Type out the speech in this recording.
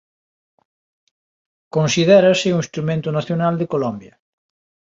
Considérase o instrumento nacional de Colombia.